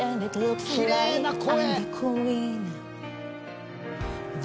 きれいな声。